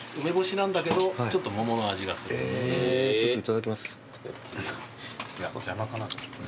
えちょっといただきます。